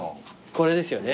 これですよね。